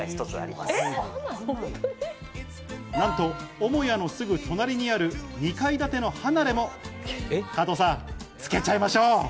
なんと母屋のすぐ隣にある２階建ての離れも加藤さん、付けちゃいましょう。